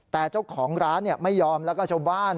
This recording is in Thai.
แต่เจ้าของร้านไม่ยอมแล้วก็ชาวบ้าน